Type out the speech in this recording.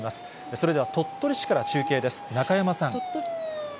それでは鳥取市から中継です。